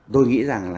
tôi nghĩ rằng